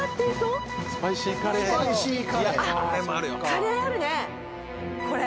カレーあるねこれ。